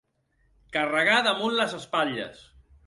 Carregar damunt les espatlles.